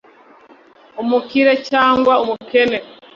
umukire cyangwa umukene